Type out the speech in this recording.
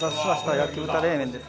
焼豚冷麺です。